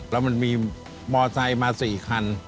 แล้วมันมีมอไซค์มา๔คัน